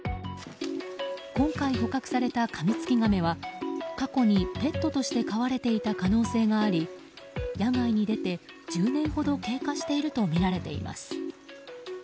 今回捕獲されたカミツキガメは過去にペットとして飼われていた可能性があり野外に出て１０年ほど経過しているとみられています。